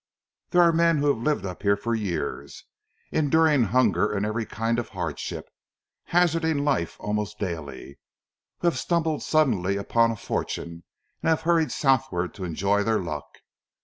"There are men who have lived up here for years, enduring hunger and every kind of hardship, hazarding life almost daily, who having stumbled suddenly upon a fortune, have hurried southward to enjoy their luck.